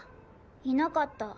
いなかった。